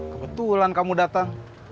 kebetulan kamu datang